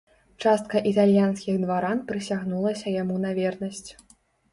Частка італьянскіх дваран прысягнулася яму на вернасць.